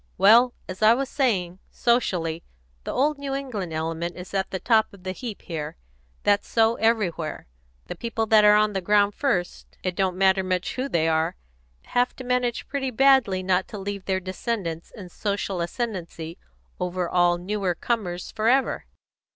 "Well, as I was saying, socially, the old New England element is at the top of the heap here. That's so everywhere. The people that are on the ground first, it don't matter much who they are, have to manage pretty badly not to leave their descendants in social ascendency over all newer comers for ever.